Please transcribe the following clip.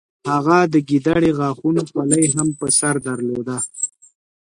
هغه د ګیدړې غاښونو خولۍ هم په سر درلوده.